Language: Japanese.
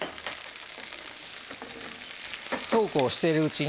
そうこうしているうちに。